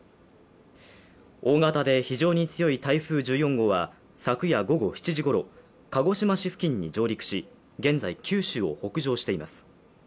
大型で非常に強い台風１４号は昨夜午後７時ごろ、鹿児島市付近に上陸し現在、九州を北上しています。